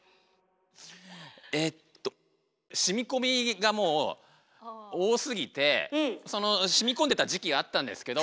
えっとしみこみがもう多すぎてそのしみこんでた時期あったんですけど